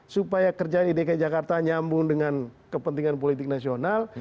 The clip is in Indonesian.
supaya kerjaan di dki jakarta nyambung dengan kepentingan politik nasional